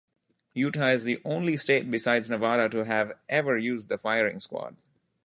Utah is the only state besides Nevada to have ever used the firing squad.